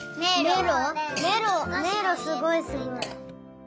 めいろすごいすごい。